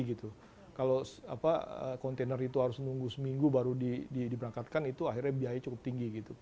kalau kontainer itu harus nunggu seminggu baru diberangkatkan itu akhirnya biaya cukup tinggi gitu